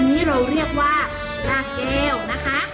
อันนี้เราเรียกว่าราแก้วนะคะ